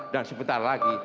dan sebentar lagi